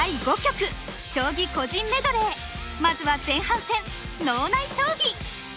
まずは前半戦脳内将棋。